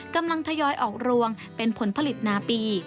กำลังทยอยออกรวงเป็นผลผลิตนาปี